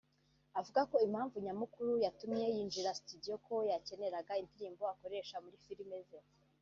Avuga ko impamvu nyamukuru yatumye yinjira studio ko yakeneraga indirimbo akoresha muri filme ze